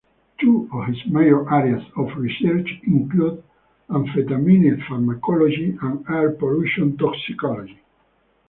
Two of his major areas of research include amphetamine pharmacology and air pollution toxicology.